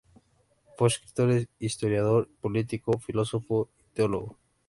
Fue escritor, historiador, político, filósofo y teólogo.